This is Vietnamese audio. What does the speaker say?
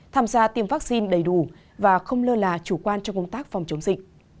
tham gia tiêm vaccine đầy đủ và không lơ là chủ quan trong công tác phòng chống dịch